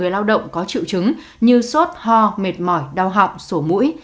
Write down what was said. lao động có triệu chứng như sốt ho mệt mỏi đau họng sổ mũi